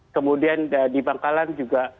kemudian di bangkalan juga